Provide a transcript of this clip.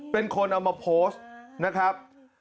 เป็นคนเอามาโพสต์นะครับ